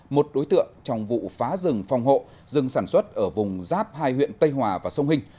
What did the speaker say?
một đối tượng trong vụ phá rừng phòng hộ rừng sản xuất ở vùng giáp hai huyện tây hòa và sông hình